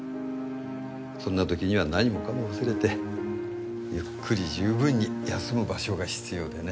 そんな時には何もかも忘れてゆっくり十分に休む場所が必要でね。